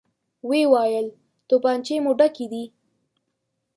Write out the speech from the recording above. ويې ويل: توپانچې مو ډکې دي؟